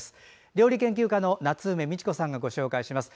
料理研究家の夏梅美智子さんがご紹介します。